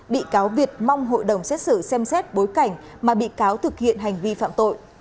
bị cáo việt mong hội đồng xét xử xem xét bối cảnh mà bị cáo thực hiện hành vi phạm tội